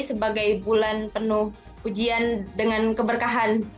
sebagai bulan penuh ujian dengan keberkahan